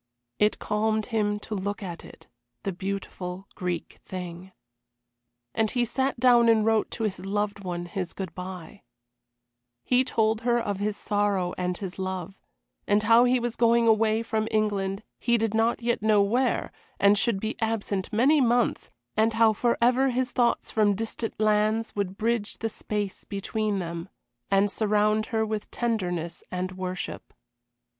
It calmed him to look at it the beautiful Greek thing. And he sat down and wrote to his loved one his good bye. [Illustration: What Could He Say to Her.] He told her of his sorrow and his love, and how he was going away from England, he did not yet know where, and should be absent many months, and how forever his thoughts from distant lands would bridge the space between them, and surround her with tenderness and worship.